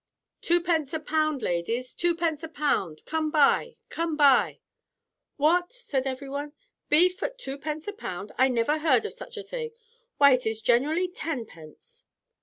Twopence a pound, ladies. Twopence a pound. Come buy. Come buy." "What!" said every one, "beef at twopence a pound! I never heard of such a thing. Why it is generally tenpence."